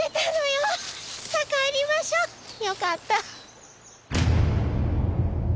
よかった。